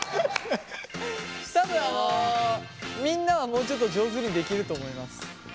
多分あのみんなはもうちょっと上手にできると思います。